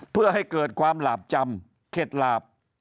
เพื่อให้เกิดความหลาบจำเข็ดหลาบ